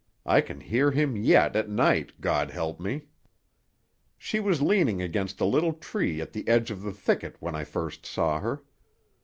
I can hear him yet at night, God help me! "She was leaning against a little tree at the edge of the thicket when I first saw her.